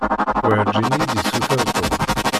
Werǧin iyi-d-issuter Tom.